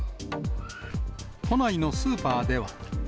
都内のスーパーでは。